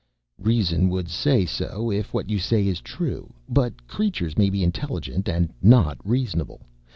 "Reason would say so, if what you say is true. But creatures may be intelligent and not reasonable.